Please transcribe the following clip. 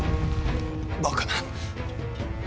バカな。